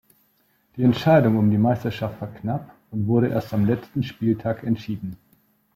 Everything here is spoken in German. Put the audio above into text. Die Entscheidung um die Meisterschaft war knapp und wurde erst am letzten Spieltag entschieden.